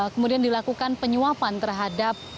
kemudian dilakukan penyuapan terhadap